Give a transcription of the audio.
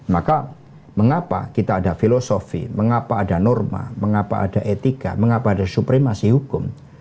maka mengapa kita ada filosofi mengapa ada norma mengapa ada etika mengapa ada supremasi hukum